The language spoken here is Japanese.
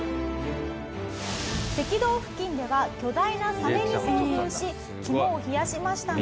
赤道付近では巨大なサメに遭遇し肝を冷やしましたが。